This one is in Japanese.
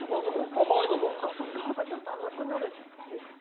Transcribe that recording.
ちょっと甘くなるんですかね。